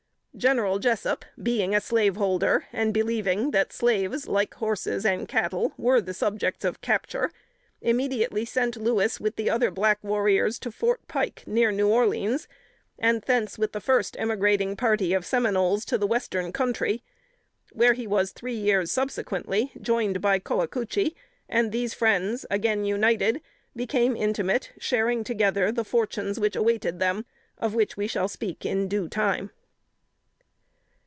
General Jessup, being a slaveholder, and believing that slaves, like horses and cattle, were the subjects of capture, immediately sent Louis with other black warriors to Fort Pike, near New Orleans, and thence with the first emigrating party of Seminoles to the western country, where he was three years subsequently joined by Coacoochee, and these friends, again united, became intimate, sharing together the fortunes which awaited them, of which we shall speak in due time.